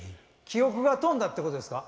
記憶が飛んだってことですか？